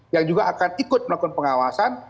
yang juga akan ikut melakukan pengawasan